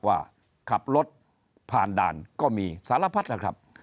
ว่าขับรถผ่านด่านก็มีสารพัดแล้วครับ